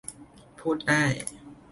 พูดได้